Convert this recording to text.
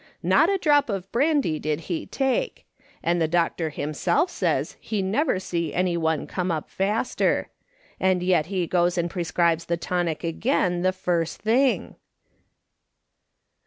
Not a drop of brandy did he take ; and the doctor himself says he never see any one come up faster ; and yet he goes and prescribes the tonic again the first thing